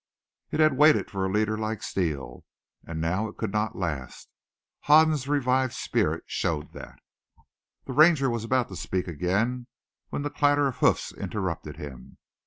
It had waited for a leader like Steele, and now it could not last. Hoden's revived spirit showed that. The ranger was about to speak again when the clatter of hoofs interrupted him.